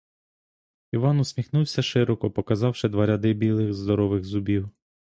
Іван усміхнувся широко, показавши два ряди білих здорових зубів.